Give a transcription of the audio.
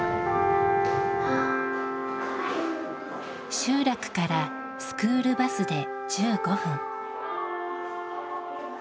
集落からスクールバスで１５分。